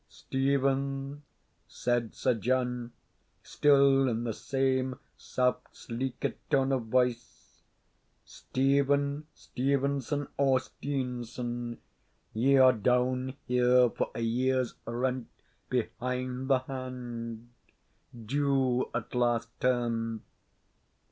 "Stephen," said Sir John, still in the same soft, sleekit tone of voice "Stephen Stevenson, or Steenson, ye are down here for a year's rent behind the hand due at last term."